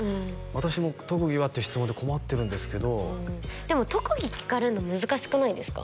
私も「特技は？」って質問で困ってるんですけどでも特技聞かれるの難しくないですか？